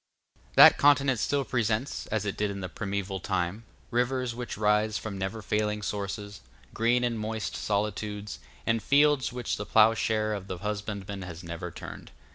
That continent still presents, as it did in the primeval time, rivers which rise from never failing sources, green and moist solitudes, and fields which the ploughshare of the husbandman has never turned.